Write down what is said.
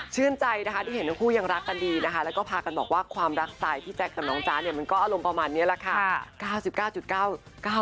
ใจนะคะที่เห็นทั้งคู่ยังรักกันดีนะคะแล้วก็พากันบอกว่าความรักสายพี่แจ๊คกับน้องจ๊ะเนี่ยมันก็อารมณ์ประมาณนี้แหละค่ะ